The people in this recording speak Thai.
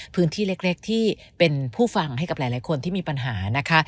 พื้นที่เล็กที่เป็นผู้ฟังให้กับหลายคนที่มีปัญหานะคะ